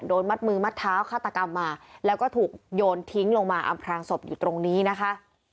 มัดมือมัดเท้าฆาตกรรมมาแล้วก็ถูกโยนทิ้งลงมาอำพลางศพอยู่ตรงนี้นะคะ